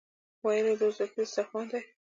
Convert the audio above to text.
ویل یې دا ازبکي دسترخوان دی.